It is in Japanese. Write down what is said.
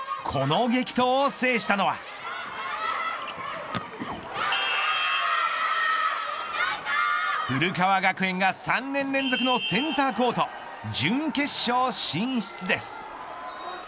この激闘を制したのは古川学園が３年連続のセンターコート準決勝進出です。